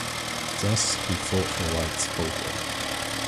Thus he fought for rights boldly.